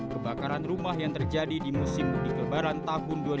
kebakaran rumah yang terjadi di musim mudik lebaran takut